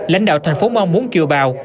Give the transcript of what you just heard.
lãnh đạo thành phố mong muốn kiều bào